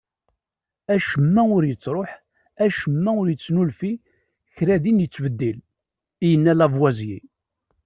"Acemma ur yettruḥ, acemma ur d-yettnulfu, kra din yettbeddil", i yenna Lavoisier.